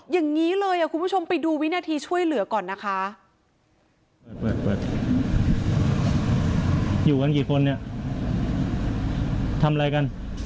อย่างนี้เลยคุณผู้ชมไปดูวินาทีช่วยเหลือก่อนนะคะ